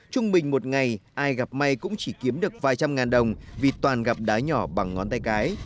trung bình một ngày ai gặp may cũng chỉ kiếm được vài trăm ngàn đồng vì toàn gặp đá nhỏ bằng ngón tay cái